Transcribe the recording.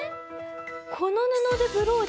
この布でブローチ？